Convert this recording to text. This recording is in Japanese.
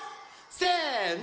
せの！